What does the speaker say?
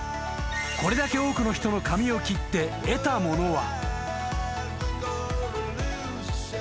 これだけ多くの人の髪を切って得たものは］